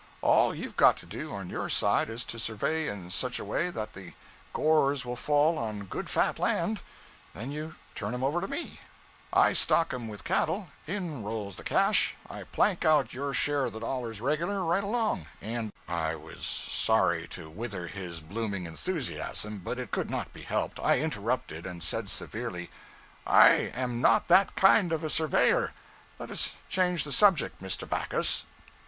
All you've got to do, on your side, is to survey in such a way that the "gores" will fall on good fat land, then you turn 'em over to me, I stock 'em with cattle, in rolls the cash, I plank out your share of the dollars regular, right along, and ' I was sorry to wither his blooming enthusiasm, but it could not be helped. I interrupted, and said severely 'I am not that kind of a surveyor. Let us change the subject, Mr. Backus.'